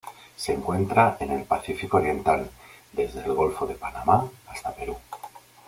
Se encuentra en el Pacífico oriental: desde el Golfo de Panamá hasta el Perú.